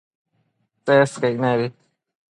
Tsescaic nebi